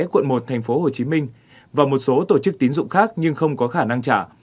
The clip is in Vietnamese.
quận một tp hcm và một số tổ chức tín dụng khác nhưng không có khả năng trả